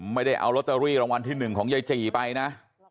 ไม่ได้เอาลอตเตอรี่รางวัลที่๑ของยายจีไปนะ